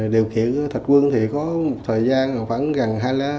điều kiện thạch quang có thời gian gần hai mươi bốn hai mươi năm